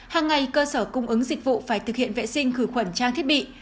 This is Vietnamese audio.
hàng ngày cơ sở cung ứng dịch vụ phải thực hiện vệ sinh khử khuẩn trang thiết bị